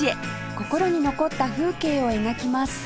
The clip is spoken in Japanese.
心に残った風景を描きます